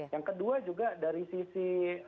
yang kedua juga dari sisi